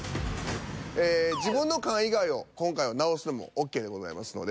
ええ自分の缶以外を今回は直すのもＯＫでございますので。